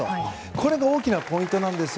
これが大きなポイントなんです。